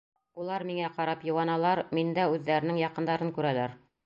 Улар миңә ҡарап йыуаналар, миндә үҙҙәренең яҡындарын күрәләр.